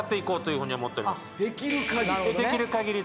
できる限り？